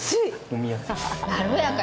まろやか。